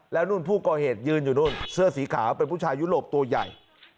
แล้วนู่นผู้ก่อเหตุยืนอยู่นู่นเสื้อสีขาวเป็นผู้ชายยุโรปตัวใหญ่